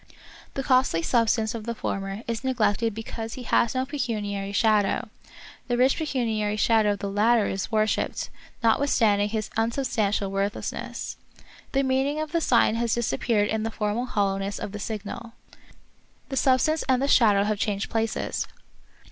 The costly substance of the former is neglected because he has no pecuniary shadow ; the rich pecuniary shadow of the latter is worshipped, notwithstanding his unsubstantial worthlessness. The meaning of the sign has disappeared in the formal hollowness of the signal. The substance and the shadow have changed places.